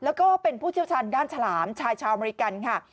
แล้วก็เป็นผู้เชี่ยวชาญด้านฉลามชายชาวอเมริกันค่ะ